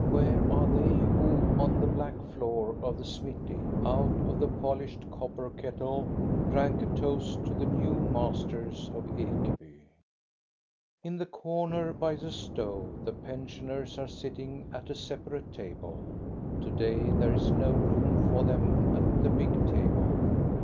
Where are they who on the black floor of the smithy, out of the polished copper kettle, drank a toast to the new masters of Ekeby t In the comer by the stove the pensioners are sit ting at a separate table; to day there is no room for them at the big table.